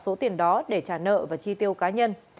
uyên đã đưa tiền đó để trả nợ và chi tiêu cá nhân